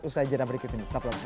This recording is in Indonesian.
usai jenam berikut ini tak bisa